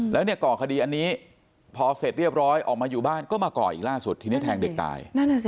แล้วเนี่ยก่อคดีอันนี้พอเสร็จเรียบร้อยออกมาอยู่บ้านก็มาก่ออีกล่าสุดทีนี้แทงเด็กตาย